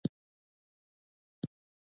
وسله والو اوږدې ږيرې درلودې.